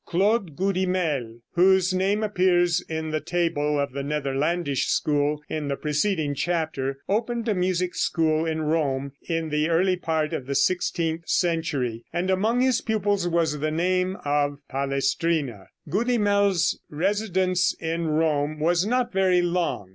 Claude Goudimel, whose name appears in the table of the Netherlandish school in the preceding chapter, opened a music school in Rome in the early part of the sixteenth century, and among his pupils was the name of Palestrina. Goudimel's residence in Rome was not very long.